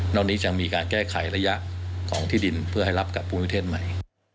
ตอนนี้ยังมีการแก้ไขระยะของที่ดินเพื่อให้รับกับภูมิเทศใหม่